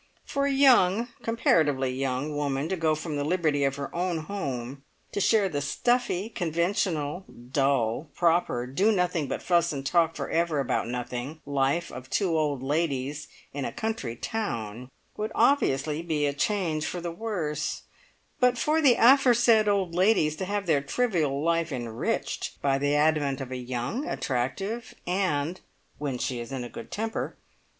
For a young, comparatively young woman, to go from the liberty of her own home to share the stuffy, conventional, dull, proper, do nothing but fuss and talk for ever about nothing life of two old ladies in a country town would obviously be a change for the worse; but for the aforesaid old ladies to have their trivial life enriched by the advent of a young, attractive, and (when she is in a good temper!)